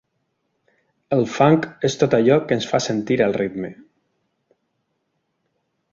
El funk és tot allò que ens fa sentir el ritme.